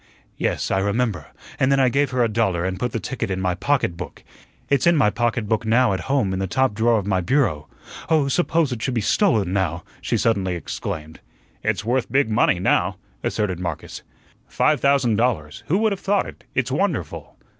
"Yes, I remember, and then I gave her a dollar and put the ticket in my pocketbook. It's in my pocketbook now at home in the top drawer of my bureau oh, suppose it should be stolen now," she suddenly exclaimed. "It's worth big money now," asserted Marcus. "Five thousand dollars. Who would have thought it? It's wonderful."